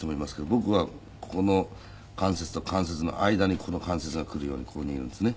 僕はここの関節と関節の間にこの関節が来るようにこう握るんですね。